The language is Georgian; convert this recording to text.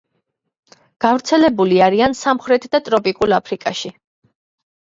გავრცელებული არიან სამხრეთ და ტროპიკულ აფრიკაში.